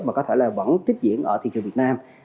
mà có thể là vẫn tiếp diễn ở thị trường việt nam